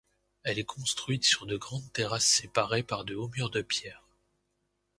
Elle est construite sur de grandes terrasses séparées par de hauts murs de pierre.